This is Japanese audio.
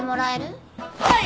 はい！